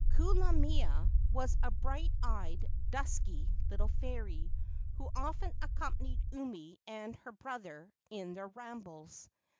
Kulamea was a bright eyed, dusky little fairy, who often accompanied Umi and her brother in their rambles.